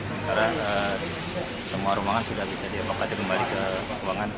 sementara semua ruangan sudah bisa dievakuasi kembali ke ruangan